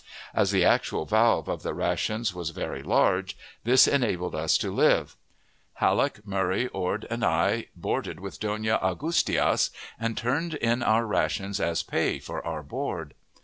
As the actual valve of the ration was very large, this enabled us to live. Halleck, Murray, Ord, and I, boarded with Dona Augustias, and turned in our rations as pay for our board.